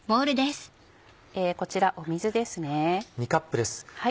こちら水です。